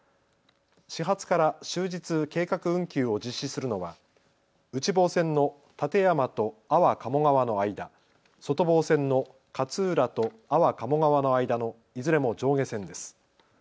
始発から終日、計画運休を実施するのは内房線の館山と安房鴨川の間、外房線の勝浦と安房鴨川の間のいずれも上下線です。